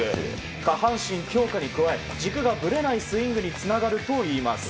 下半身強化に加え軸がぶれないスイングにつながるといいます。